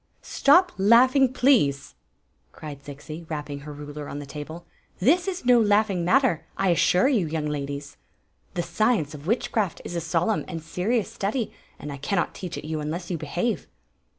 " Stop laughing, please!" cried Zixi, rapping her ruler on the table. "This is no laughing matter, I assure you, young ladies. The science of witchcraft is a solemn and serious study, and I cannot teach it you unless you behave."